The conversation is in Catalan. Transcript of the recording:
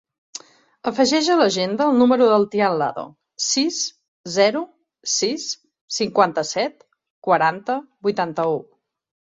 Afegeix a l'agenda el número del Tian Lado: sis, zero, sis, cinquanta-set, quaranta, vuitanta-u.